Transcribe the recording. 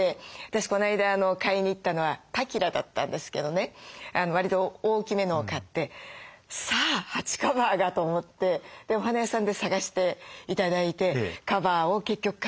私この間買いに行ったのはパキラだったんですけどね割と大きめのを買ってさあ鉢カバーがと思ってお花屋さんで探して頂いてカバーを結局買ったんですけど。